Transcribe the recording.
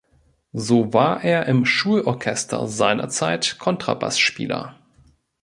So war er im Schulorchester seinerzeit Kontrabass-Spieler.